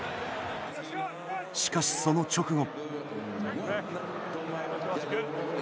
しかし、その直後。